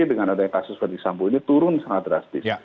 dengan adanya kasus ferdisambu ini turun sangat drastis